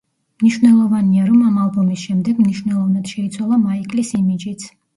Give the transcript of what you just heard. მნიშვნელოვანია, რომ ამ ალბომის შემდეგ მნიშვნელოვნად შეიცვალა მაიკლის იმიჯიც.